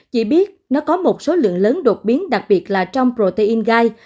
chỉ biết nó có một số lượng lớn đột biến đặc biệt là trong protein gai